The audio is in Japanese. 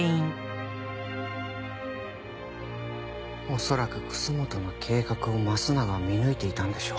恐らく楠本の計画を益永は見抜いていたんでしょう。